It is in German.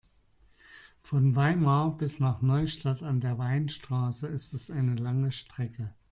Von Weimar bis nach Neustadt an der Weinstraße ist es eine lange Strecke